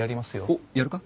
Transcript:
おっやるか？